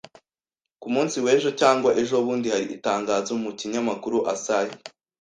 Ku munsi w'ejo cyangwa ejobundi hari itangazo mu kinyamakuru Asahi